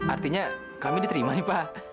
artinya kami diterima nih pak